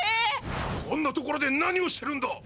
こんな所で何をしてるんだ！